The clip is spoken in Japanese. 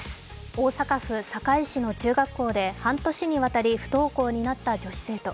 大阪府堺市の中学校で半年にわたり不登校になった女子生徒。